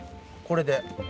これで？